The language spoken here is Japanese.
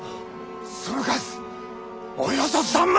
その数およそ３万！